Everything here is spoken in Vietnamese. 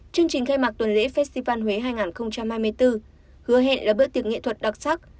chương trình khai mạc tuần lễ festival huế hai nghìn hai mươi bốn hứa hẹn là bữa tiệc nghệ thuật đặc sắc